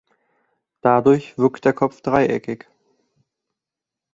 Dadurch wirkt der Kopf dreieckig.